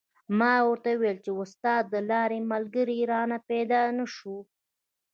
ما ورته و ویل چې استاده د لارې ملګری رانه پیدا نه شو.